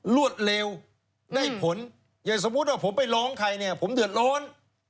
รวดเร็วได้ผลอย่างสมมุติว่าผมไปร้องใครเนี่ยผมเดือดร้อน